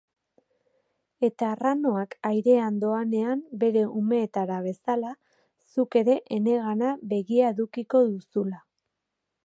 Eta arranoak airean doanean bere umeetara bezala, zuk ere enegana begia edukiko duzula.